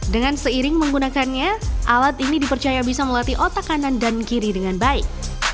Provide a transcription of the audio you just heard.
dengan seiring menggunakannya alat ini dipercaya bisa melatih otak kanan dan kiri dengan baik